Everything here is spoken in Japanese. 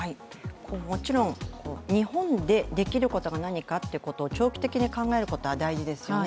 もちろん、日本でできることはなにかということを長期的に考えることは大事ですよね。